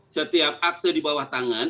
setiap akte di bawah tangan